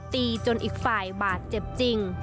ตีจนอีกฝ่ายบาดเจ็บจริง